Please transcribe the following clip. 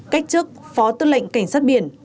cách trước phó tư lệnh cảnh sát biển